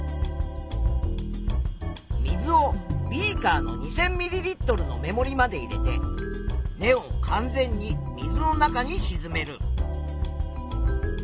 水をビーカーの２，０００ミリリットルの目もりまで入れて根を完全に水の中にしずめる。